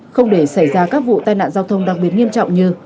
không để xảy ra các vụ tai nạn giao thông đặc biệt nghiêm trọng như